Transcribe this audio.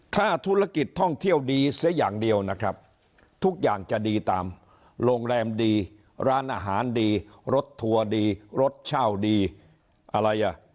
ถ้าธุรกิจท่องเที่ยวดีเสียอย่างเดียวนะครับทุกอย่างจะดีตามโรงแรมดีร้านอาหารดีรถทัวร์ดีรถเช่าดีอะไรอ่ะ